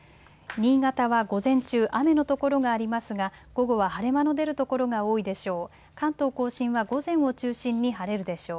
新潟は午前中、雨の所がありますが午後は晴れ間の出る所が多いでしょう。